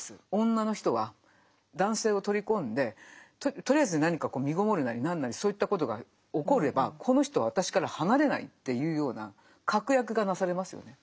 女の人は男性を取り込んでとりあえず何かみごもるなり何なりそういったことが起こればこの人は私から離れないっていうような確約がなされますよね。